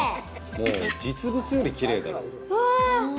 もう実物よりきれいだろわあ！